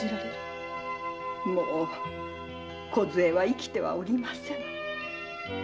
もうこずえは生きてはおりません。